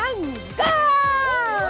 ゴー！